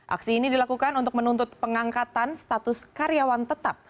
aksi ini dilakukan untuk menuntut pengangkatan status karyawan tetap